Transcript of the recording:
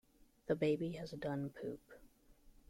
The baby has done poop.